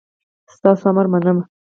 ستاسو امر منم